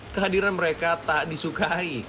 kehadiran mereka tak disukai